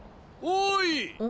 おい！